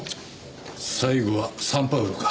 最後はサンパウロか。